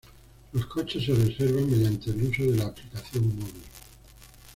Los coches se reservan mediante el uso de la aplicación móvil.